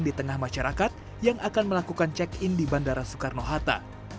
di tengah masyarakat yang akan melakukan check in di bandara soekarno hatta